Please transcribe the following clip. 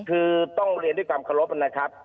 คือต้องเรียนด้วยความเคารพนะครับ